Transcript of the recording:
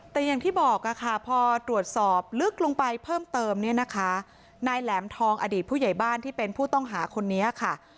แต่อย่างที่บอกค่ะพอตรวจสอบลึกลงไปเพิ่มเติมเนี่ยนะคะนายแหลมทองอดีตผู้ใหญ่บ้านที่เป็นผู้ต้องหาคนนี้ค่ะ